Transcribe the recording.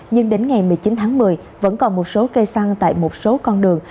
nhưng đến ngày một mươi chín tháng một mươi vẫn còn một số cây xăng tại một số con đường